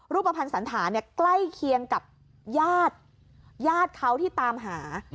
รูปภัณฑ์สันฐานใกล้เคียงกับญาติญาติเขาที่ตามหา